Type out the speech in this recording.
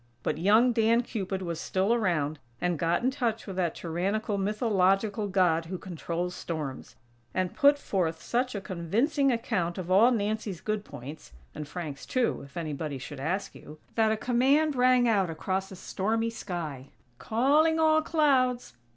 But young Dan Cupid was still around, and got in touch with that tyrannical mythological god who controls storms; and put forth such a convincing account of all Nancy's good points, (and Frank's too, if anybody should ask you) that a command rang out across a stormy sky: "Calling all clouds!!